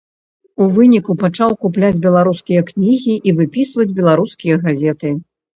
У выніку пачаў купляць беларускія кнігі і выпісваць беларускія газеты.